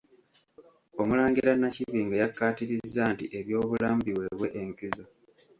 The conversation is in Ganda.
Omulangira Nakibinge yakkaatirizza nti eby'obulamu biweebwe enkizo.